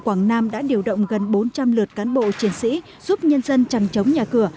quảng nam đã điều động gần bốn trăm linh lượt cán bộ chiến sĩ giúp nhân dân chẳng chống nhà cửa